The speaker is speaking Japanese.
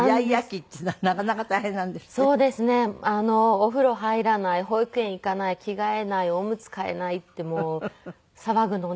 お風呂入らない保育園行かない着替えないオムツ替えないってもう騒ぐので。